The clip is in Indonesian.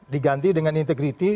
diganti dengan integriti